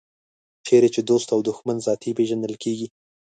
چېرې چې دوست او دښمن ذاتي پېژندل کېږي.